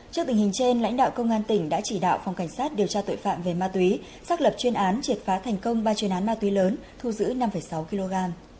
trước tình hình trên lãnh đạo công an tỉnh đã chỉ đạo phòng cảnh sát điều tra tội phạm về ma túy xác lập chuyên án triệt phá thành công ba chuyên án ma túy lớn thu giữ năm sáu kg